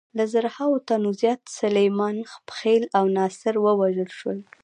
له زرهاوو تنو زیات سلیمان خېل او ناصر ووژل شول.